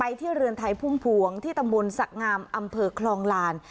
ที่เรือนไทยพุ่มพวงที่ตำบลสักงามอำเภอคลองลาน